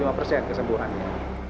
dengan melakukan pemeriksaan yang lebih cepat